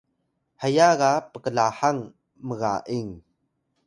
heya ga pklahang-mga’ing